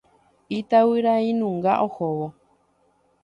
Itavyrainunga ohóvo.